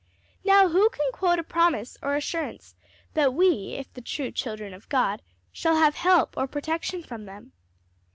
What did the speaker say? "Now who can quote a promise or assurance that we, if the true children of God, shall have help or protection from them?"